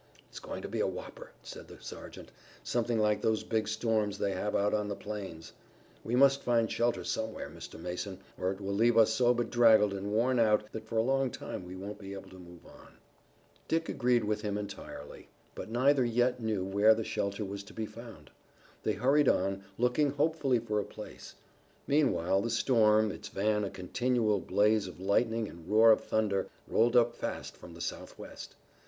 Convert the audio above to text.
"It's going to be a whopper," said the sergeant, "something like those big storms they have out on the plains. We must find shelter somewhere, Mr. Mason, or it will leave us so bedraggled and worn out that for a long time we won't be able to move on." Dick agreed with him entirely, but neither yet knew where the shelter was to be found. They hurried on, looking hopefully for a place. Meanwhile the storm, its van a continual blaze of lightning and roar of thunder, rolled up fast from the southwest.